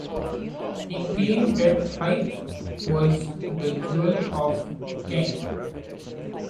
He claimed that Hythe was the jewel of Kent.